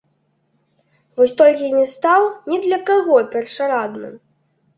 Вось толькі не стаў ні для каго першарадным.